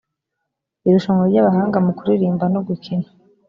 irushanwa ry’abahanga mu kuririmba no gukina